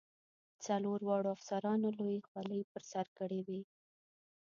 څلورو واړو افسرانو لویې خولۍ په سر کړې وې.